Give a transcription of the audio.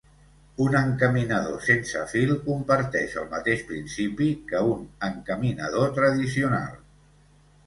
Un encaminador sense fil comparteix el mateix principi que un encaminador tradicional.